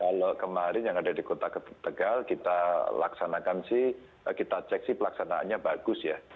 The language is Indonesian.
kalau kemarin yang ada di kota tegal kita laksanakan sih kita cek sih pelaksanaannya bagus ya